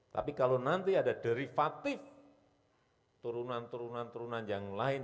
tapi kalau nanti ada derivatif turunan turunan turunan yang lain